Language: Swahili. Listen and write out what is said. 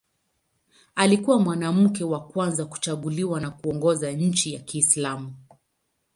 Alikuwa mwanamke wa kwanza kuchaguliwa na kuongoza nchi ya Kiislamu.